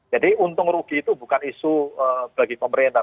jadi untung rugi itu bukan isu bagi pemerintah